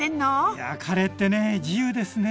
いやカレーってね自由ですね！